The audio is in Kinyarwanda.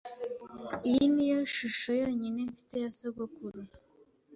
Iyi niyo shusho yonyine mfite ya sogokuru.